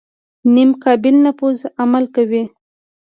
نیمه قابل نفوذ عمل کوي.